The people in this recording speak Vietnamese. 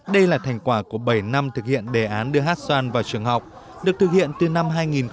đây là thành quả của bảy năm thực hiện đề án đưa hát xoan vào trường học được thực hiện từ năm hai nghìn một mươi